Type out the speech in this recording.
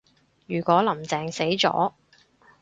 如果林鄭死咗